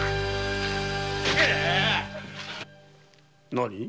何？